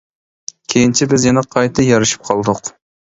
كېيىنچە بىز يەنە قايتا يارىشىپ قالدۇق.